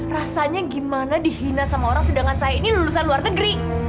rasanya gimana dihina sama orang sedangkan saya ini lulusan luar negeri